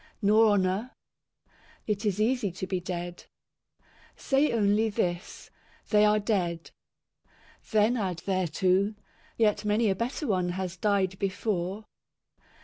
Nor honour. It is easy to be dead. Say only this, " They are dead." Then add thereto, " Yet many a better one has died before."